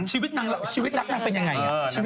ชีวิตนางชีวิตรักนางเป็นยังไง